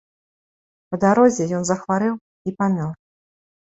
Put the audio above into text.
Па дарозе ён захварэў і памёр.